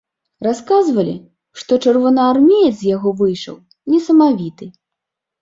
Расказвалі, што чырвонаармеец з яго выйшаў несамавіты.